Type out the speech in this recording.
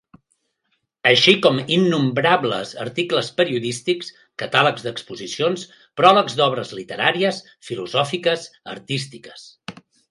Així com innombrables articles periodístics, catàlegs d'exposicions, pròlegs d'obres literàries, filosòfiques, artístiques.